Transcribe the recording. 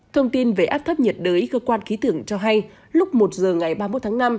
thông tin về áp thấp nhiệt đới cơ quan khí tưởng cho hay lúc một giờ ngày ba mươi một tháng năm